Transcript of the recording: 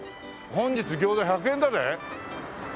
本日餃子１００円だぜ。